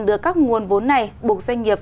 được các nguồn vốn này buộc doanh nghiệp